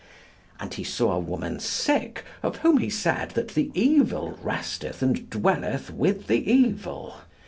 And he saw a woman sick, of whom he said that the evil resteth and dwelleth with the evil.